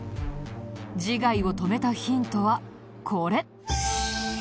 自害を止めたヒントはこれ。